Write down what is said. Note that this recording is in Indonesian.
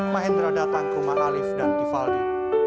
mahendra datang ke rumah alif dan divaldi